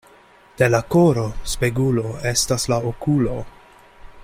De la koro spegulo estas la okulo.